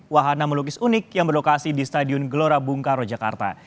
wahana melukis unik yang berlokasi di stadion gelora bung karno jakarta